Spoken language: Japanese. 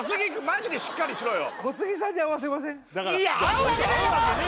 マジでしっかりしろよ